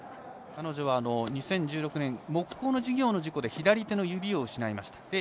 彼女は２０１６年木工の授業の事故で左手の指を失いました。